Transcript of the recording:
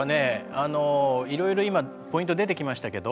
あのいろいろ今ポイント出てきましたけど。